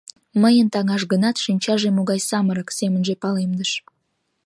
«Мыйын таҥаш гынат, шинчаже могай самырык, — семынже палемдыш.